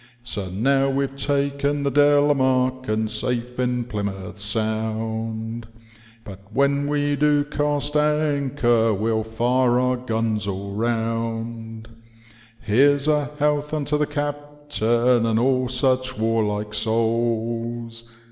^ So now we've taken the Delamarquef and safe in Plymouth Sound, But when we do cast anchor we'll fire our guns all round ; Here's a health unto the captain, and all such warlike souls.